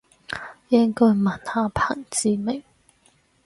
應該問下彭志銘